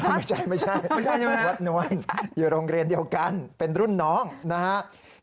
ไม่ใช่ไม่ใช่วัดนวลอยู่โรงเรียนเดียวกันเป็นรุ่นน้องนะครับ